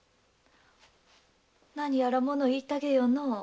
何やらもの言いたげよのう。